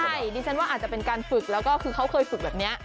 ใช่ดิฉันว่าอาจจะเป็นการฝึกแล้วก็คือเขาเคยฝึกแบบนี้